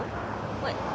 はい。